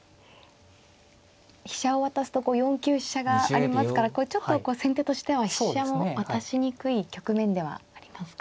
飛車を渡すと４九飛車がありますからちょっと先手としては飛車を渡しにくい局面ではありますか。